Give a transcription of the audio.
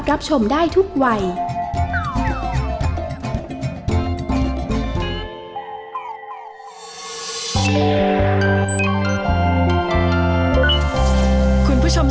สวัสดีครับคุณฝา